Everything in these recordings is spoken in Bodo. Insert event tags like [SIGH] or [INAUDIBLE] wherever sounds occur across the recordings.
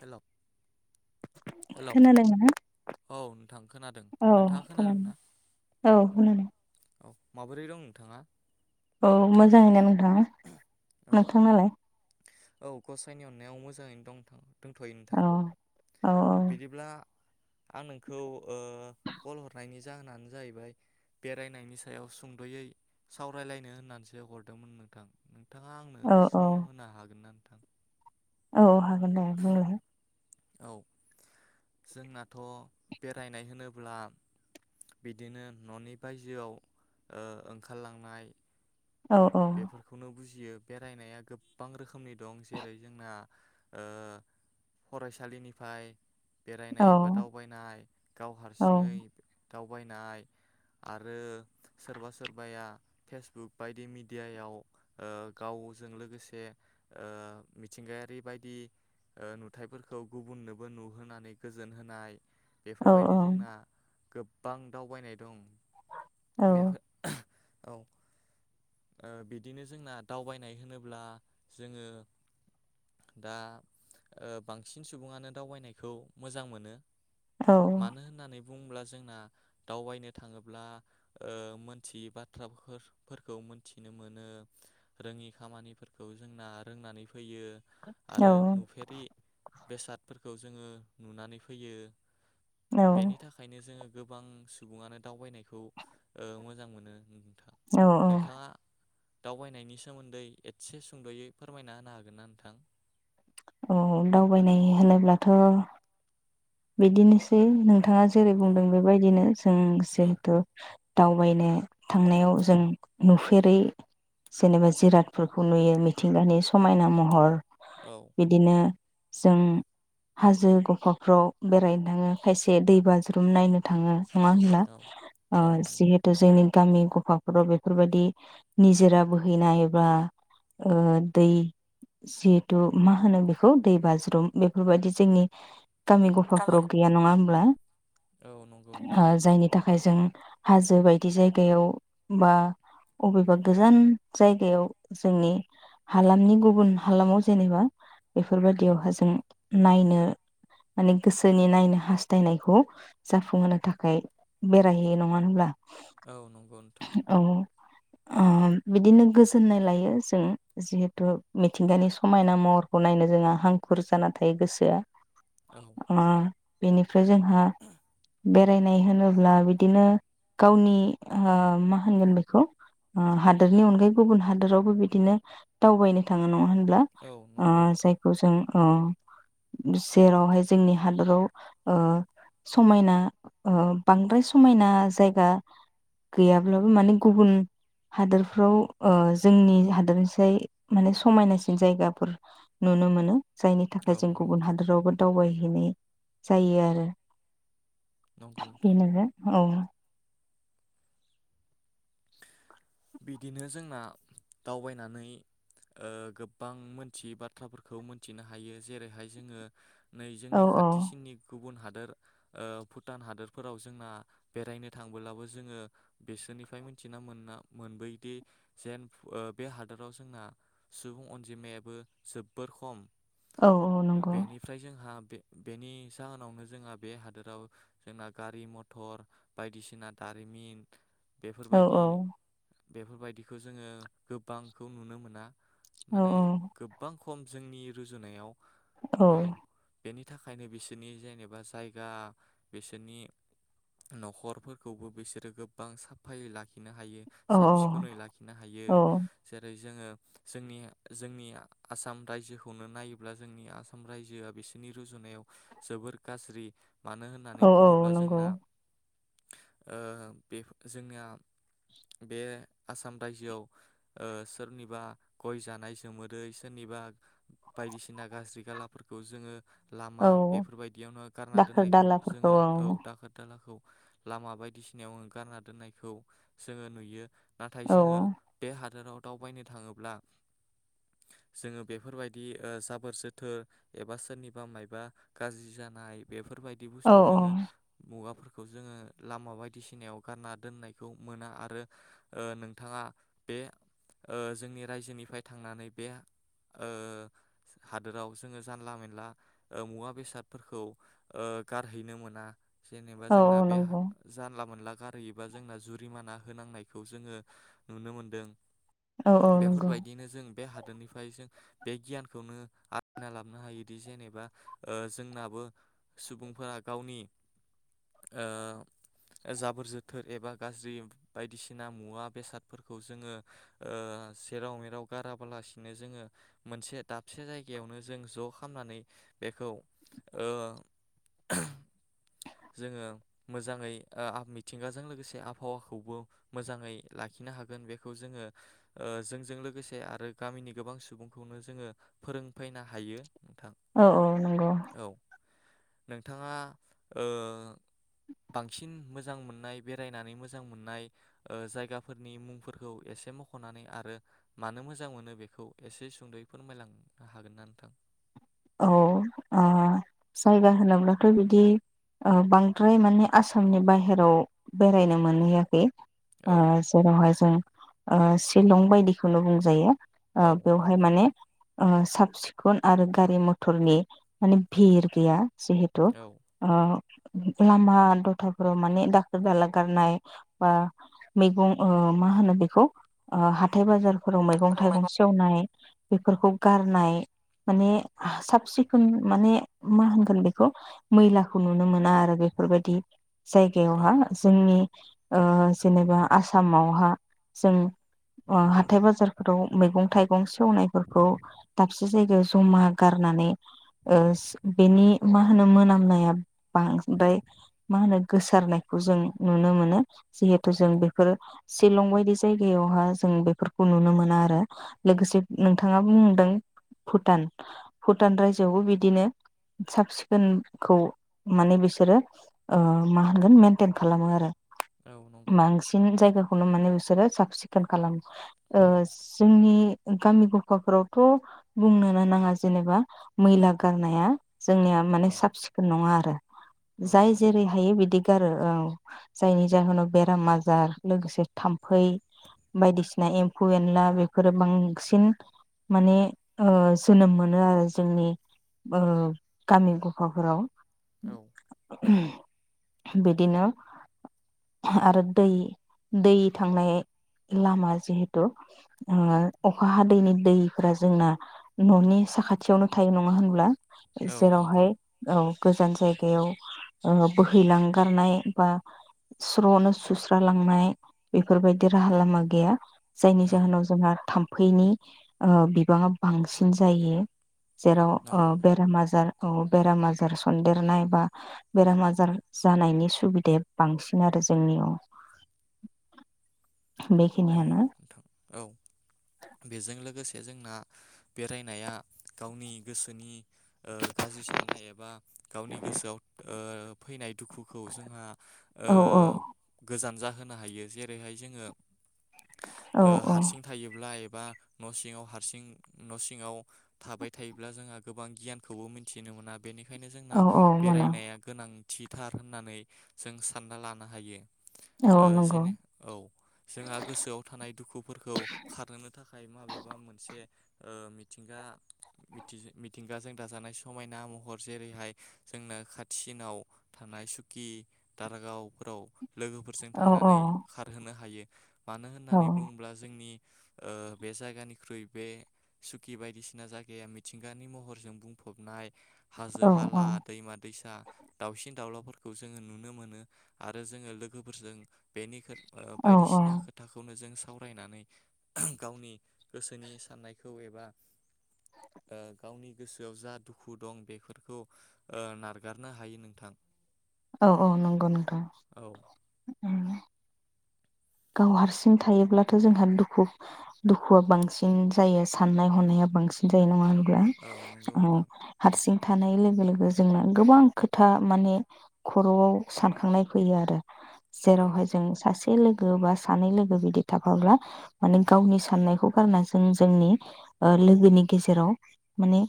हेलौ हेलौ खोनादोंना औ नोंथां खोनादों नोंथाङा खोनादों ना? औ खोनादों औ माबोरै दं नोंथाङा औ मोजाङैनो नों हो औ नोंथांनालाय? औ गसाइनि अननायाव मोजाङैनो दं नोंथां। दंथयो नोंथां औ औ बिदिब्ला आं नोंखौ ओ कल हरनायनि जाहोनानो जाहैबाय बेरायनायनि सायाव सुंदयै सावरायलायनो होननानैसो हरदोंमोन नोंथां नों नोंथाङा आंनो औ औ सम [UNINTELLIGIBLE] हागोनना नोंथां औ हागोन दे बुंलाय औ जोंनाथ बेरायनाय होनोब्ला बिदिनो ननि बायजोआव ओ ओंखारलांनाय औ औ बेफोरखौनो बुजियो बेरायनाया गोबां रोखोमनि दं जेरै जोंना ओ फरायसालिनिफ्राय औ बेरायनाय एबा दावबायनाय गाव हारसिङै दावबायनाय आरो सोरबा सोरबाया फेसबुक बायदि मिद दियायाव ओ गावजों लोगोसे ओ मिथिंगायारि बायदि ओ नुथाइफोरखौ गुबुननोबो नुहोनानै गोजोन होनाय औ बेफोरबायदि जोंना गोब बां दावबायनाय दं। औ बेफोर औ ओ बिदिनो जोंना दावबायनाय होनोब्ला जोङो दा ओ बांसिन सुबुङानो दावबायनायखौ मोजां मोनो। मानो होननानै बुंब्ला जोंना दावबायनो थाङोब्ला ओ मोनथियि बाथ्राफोरफोरखौ थिनो मोनो रोङि खामानिफोरखौ जोंना रोंनानै फै फैयो आरो नुफेरि बेसादफोरखौ जोङो नुनानै फैयो औ बेनि थाखायनो जोङो गोबां सुबुङानो दावबायनायखौ ओ मोजां मोनो ओं औ औ दावबायनायनि सोमोन्दै एतसे सुंदयै फोरमायना होनो हागोनना नोंथां औ दावबायनाय होनोब्लाथ बिदिनोसै नों नोंथाङा जेरै औ बुंदों बेबायदिनो जों औ जिहेथु दावबायनो थांनायाव जों नुफेरै जेनेबा जिरादफोरखौ नुयो मिथिंगानि समायना महर औ बिदिनो जों हाजो गफा फ्राव बेरायनो थाङो खायसे दै बाज्रुम नायनो थाङो नङा होनब्ला औ ओ औ नंगौ जिहेथु जोंनि गामि गफा फोराव बेफोरबायदि निजोरा बोहैनाय बा ओ दै जिहेथु मा होनो बेखौ दै बाज्रुम बेफोरबायदि जोंनि गामि [UNINTELLIGIBLE] गैया नङा होमब्ला? औ नंगौ नोंथां। ओ जायनि थाखाय जों हाजो बायदि जायगायाव बा अबेबा गोजान जायगायाव जोंनि हालामनि गुबुन हालामाव जेनेबा बेफोर बायदियावहााय जों नायनो माने गोसोनि नायनो हास्थायनायखौ जाफुंहोनो थाखाय बेरायहैयो नङा होनब्ला? औ नंगौ नोंथां अ बिदिनो गोजोननाय लायो जों जिहेथु मिथिंगानि समायना महरखौ नायनो जोंहा हांखुर जाना थायो गोसोआ औ ओ बेनिफ्राय जोंहा बेरायनाय होनोब्ला बिदिनो गावनि ओ मा होनगोन बेखौ हादोरनि अनगायै गुबुन हादोरावबो बिदिनो दावबायनो थाङो नङा होन ब्ला औ ओ नंगौ नोंथां जायखौ जों अ जेराव हाय जो जोंनि हादराव ओ समायना बांद्राय समायना जायगा गैयाब्लाबो माने गुबुन हादोरफ्राव ओ जोंनि हादोरनिसाय माने समायनासिन जायगाफोर नुनो मोनो। जायनि थाखाय औ जों गुबुन नंगौ हादोरावबो दावबायो एनै जायो आरो। नंगौ थारै नोंथां नोङो औ। बिदिनो जोंना दावबायनानै ओ गोबां मोनथियै बाथ्राफोरखौ मोनथिनो हायो जेरैहाय जोङो नै औ जोंनि औ खाथिसिननि गुबुन हादर हादोर ओ भुटान हादोरफोराव जोंना बेरायनो थांबोलाबो जोङो बिसोरनिफ्राय मिथिना मोनना मोनबोयोदि जेन ओ बे हादोराव जोंना सुबुं अनजिमायाबो जोबबोर खम औ औ नंगौ बेनिफ्राय जोंहा बे बेनि जाहोनावनो जोंहा बे हादोराव जोंना गारि मथर, बायदिसिना दारिमिन औ बेफोरबायदि औ बेफोरबायदिखौ जोङो गोबांखौ नुनो मोना। औ माने गोबां खम जोंनि रुजुनायाव औ बेनि बिनि थाखायनो बिसोरनि जेनेबा जायगा, बिसोरनि नखरफोरखौबो बिसोरो गोबां साफायै लाखिनो हायो। औ साब सिखोनै लाखिनो हायो औ जेरै जोङो जोंनि जोंनि आसाम रायजोखौनो नायोब्ला जोंनि आसाम रायजोआ बिसोरनि रुजुनायाव जोबोर गाज्रि। मानो होननानै औ औ बुङोब्ला नंगौ जोंना ओ बे जोंनिया बे आसाम रायजोआव ओ सोरनिबा गय जानाय जोमोदै सोरनिबा बायदिसिना गाज्रि गालाफोरखौ जोङो लामा औ बेफोरबायदियावनो गारना दाखोर दोननायखौ दालाफोरखौ जोङो औ दाखोर दालाखौ लामा बायदिसिनायाव गारना दोननायखौ जोङो नुयो नाथाय औ जोङो बे हादोराव दाव बायनो थाङोब्ला जोङो बेफोरबायदि जाबोर जोथोर एबा सोरनिबा मबा गाज्रि जानाय बेफोर बेफोरबायदि बुस्थु औ औ जोङो मुवाफोर बे खौ जोङो लामा बायदिसिनायाव गारना दोननायखौ मोना आरो ओ नोंथाङा बे ओ जोंनि रायजोनिफ्राय थांनानै बे ओ हादोराव जोङो जानला मेनला ओ मुवा बेसादफोरखौ ओ गारहैनो मोना जेनेबा औ जोंना बे नंगौ जानला मोनला गारहैबा जोंना जु रिमाना होनांनायखौ जोङो नुनो मोनदों औ औ नंगौ बेफोरबायदिनो जों बे हा दोनि जों बे गियानखौनो आरजिना लाबोन हायोदि जेनेबा ओ जोंनाबो सुबुंफोरा गावनि ओ जाबोर जोथोर एबा गाज्रि बायदिसिना मुवा बेसादफोरखौ जोङो ओ सेराव-मेराव गाराबालासिनो जोङो मोनसे दाबसे जायगायावनो जों ज' खालामामनानै बेखौ ओ जोङो मोजाङै आ मिथिंगाजों लोगोसे आबहावाखौबो मोजाङै लाखिनो हागोन बेखौ जोङो जोंजों लोगोसे आरो गामिनि गोबां सुबुंखौनो जोङो फोरोंफैनो हायो नोंथां औ औ नंगौ। औ नोंथाङा ओ बांसिन मोजां मोननाय बेरायनानै मोजां मोजां मोननाय जायगाफोरनि मुंफोरखौ एसे मखनानै आरो मानो मोजां मोनो बेखौ एसे सुंदयै फोरमायलांनो हागोन ना नोंथां। औ आ जायगा होनोब्लाथ बिदि बांद्राय माने आसामनि बाहेराव बेरायनो मोनहैयाखै। आ औ जेरावहाय जों शिलं बायदिखौनो बुंजायो। औ ओ बेवहाय नंगौ माने नोंथां ओ सा सिखोन आरो गारि मथरनि माने भिर गैया। जिहेथु औ ओ। लामा दथाफोराव माने दाखोर दाला गारनाय बा मैगं ओ मा होनो बेखौ ओ हाथाय बाजार फोराव औ मैगं थाइगं सेवनाय। बेफोरखौ गारनाय माने। साब सिखुन माने मा होनगोन बेखौ मैलाखौ नुनो मोना आरो बेफोरबायदि जायगायावहा जोंनि। ओ जेनेबा आसामावहा जों ओ‌ हाथाय बाजारफोराव मैगं थाइगं सेवनायफोरखौ दाबसे जायगायाव जमा। गारनानै बेनि मा होनो मोनामनाया बांद्राय मा होनो गोसारनायखौ जों नुनो मोनो जिहेथु जों बेफोर शिलं बायदि जायगायावहा जों बेफोरखौ नुनो मोना आरो लोगोसे नोंथाङा बुंदों भुटान भुटान राज्योआवबो बिदिनो साब सिखोनखौ माने बिसोरो ओ मा होनगोन मेेनटेन खालामो आरो। औ नंगौ बांसिन जायगाखौनो माने रो‌ साफ सिखोन खालामो ओ जोंनि। गामि गफाफोरावथ बुंनो नो नाङा जेनेबा मैला गारनाया। जोंनिया माने औ साब सिखोन नङा आरो औ जाय थारैनो जेरै नोंथां हायो बिदि गारो औ। जायनि जाहोनाव बेराम आजार लोगोसे थाम्फै बायदिसिना एम्फौ एनला बेफोरो बांसिन माने ओ जोनोम मोन मोनो आरो जोंनि ओ गामि गफाफोराव‌ औ [UNINTELLIGIBLE] बिदिनो आरो दै दै थांनाय लामा जिहेथु ओ अखा हादैनि दैफोरा जोंना न'नि साखाथियावनो थायो नङा होनब्ला? औ नंगौ जेरावहाय औ गोजान जायगायाव ओ बोहैलांगारनाय बा स्र'नो सुस्रालांनाय बेफोरबायदि राहा लामा गैया। जायनि औ जाहोनाव जोंहा थाम्फैनि ओ बिबाङा बांसिन जायो। जेराव ओ नंगौ बेराम आजार औ बेराम आजार सन्देरनाय बा बेराम आजार जानायनि सुबिदाया बांसिन आरो जोंनियाव। औ बेखिनियानो नोंथां औ बेजों लोगोसे जोंना बेरायनाया गावनि गोसोनि ओ गाज्रि साननाय एबा गावनि गोसोआव ओ फैनाय दुखुखौ जोंहा ओ औ गोजान जा होनो हायो जेरैहाय जोङो औ ओ औ हारसिं थायोब्ला एब बा न' सिङाव हारसिं न' सिङाव थाबाय थायोब्ला जोंहा गोबां गियानखौबो मिथिनो मोना बेनिखायनो जोंना औ औ मोना बेरायनाया गोनां थिथार होननानै जों सानना लानो हायो ओ औ नंगौ जेनो औ जोंहा गोसोआव थानाय दुखुफोरखौ खारहोनो थाखाय माबेबा मोनसे ओ मिथिंगा मिथिजो मिथिंगाजों दाजानाय समायना महर जेरैहाय जोंना खाथिसिनाव थानाय सुकि दारागावफोराव लोगोफोरजों औ औ थांनानै खारहोनो हायो मानो औ होननानै बुङोब्ला जोंनि ओ बे जायगानिख्रुइ बे सुकि बायदिसिना जायगाया मिथिंगानि महरजों बुंफबनाय हाजो औ हाला दैमा दैसा दाउसिन दाउलाफोरखौ जोङो नुनो मोनो आरो जोङो लोगोफोरजों बेनि गोथ ओ औ बायदिसि ना औ खोथाखौनो जों सा आव रायनानै गावनि गोसोनि साननायखौ एबा ओ गावनि गोसोआव जा दुखु दं बेफोरखौ ओ नारगारनो हायो नोंथां। औ औ नंगौ नोंथां। औ गाव हारसिं थायोब्लाथ जोंहा दुखु दुखुआ बांसिन जायो साननाय हनाया बांसिन जायो नङा होन ब्ला औ नंगौ अ नोंथां हारसिं थानाय लोगो लोगो जोंना गोबां खोथा माने खर'आव सानखांनाय फैयो आरो औ जेरावहाय जों सासे [UNINTELLIGIBLE] गो बा सानै लोगो बिदि थाफाब्ला माने गावनि साननायखौ गारना जों जोंनि ओ लोगोनि गेजेराव माने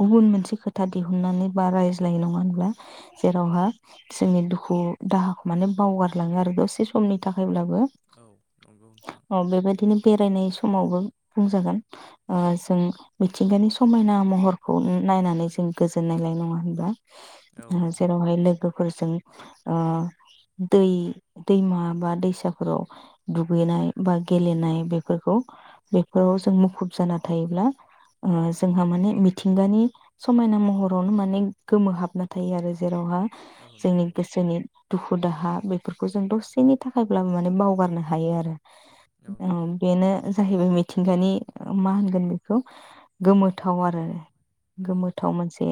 गुबुन मोनसे खोथा दिहुननानै बा रायज्लायो नङा होनब्ला जेरावहा जोंनि दुखु दाहाखौ माने बावगारलाङो आरो दसे समनि थाखायब्ला बो औ नंगौ नोंथां ओ बेबायदिनो बेरायनाय समावबो बुंजागोन ओ जों मिथिंगानि समायना महरखौनो नायनानै जों गोजोनाय लायो नङा होमबा? औ ओ नंगौ जेरावहाय लोगोफोरजों ओ दै दैमा बा दैसा फोराव दुगैनाय बा गेलेनाय बेफोरखौ बेफोराव जों मुखुब जाना थायोब्ला ओ जोंहा माने मिथिंगानि समायना महरावनो माने गोमोहाबना थायो आरो जेरावहा औ जोंनि नंगौ गोसोनि दुखु दाहा बे फोरखौ जों दसेनि थाखायब्लाबो माने बावगारनो हायो आरो औ नंगौ ओम बेनो जाहैबाय मि थिंगानि ओ मा होनगोन बेखौ गोमोथाव आरो उम गोमोथाव मोनसे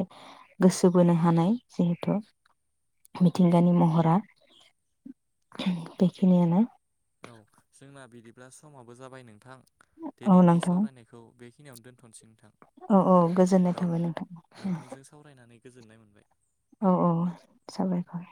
गोसो बोनो हानाय जिहेथु मिथिंगानि महरा बेखिनियानो औ जोंना बिदिब्ला समाबो जाबाय नोंथां। औ दिनैनि नोंथां सावरायनायखौ बेखि खिनियाव दोन औ औ गोजोननाय थाबाय नोंथां। नोंथांजों सावरायनानै गोजोननाय मोनबाय। औ औ साबायखर